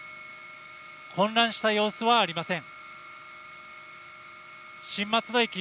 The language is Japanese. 混乱した様子はありません。